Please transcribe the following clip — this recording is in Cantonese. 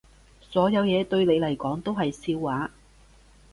所有嘢對你嚟講都係笑話